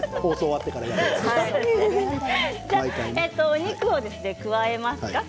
お肉を加えますね。